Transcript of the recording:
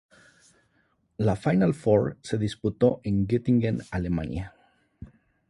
La final four se disputó en Göttingen, Alemania.